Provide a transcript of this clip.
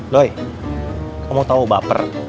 doi kamu tau baper